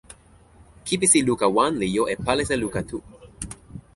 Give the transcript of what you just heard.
kipisi luka wan li jo e palisa luka tu.